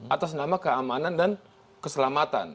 atas nama keamanan dan keselamatan